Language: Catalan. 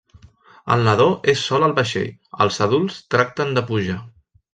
El nadó és sol al vaixell, els adults tracten de pujar…